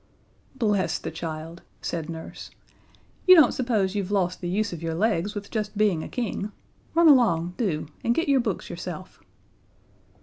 "Bless the child," said Nurse. "You don't suppose you've lost the use of your legs with just being a King? Run along, do, and get your books yourself."